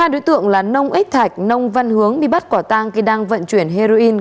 hai đối tượng là nông ích thạch nông văn hướng bị bắt quả tang khi đang vận chuyển heroin